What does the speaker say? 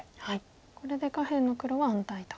これで下辺の黒は安泰と。